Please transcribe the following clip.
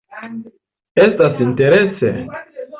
Estas interese.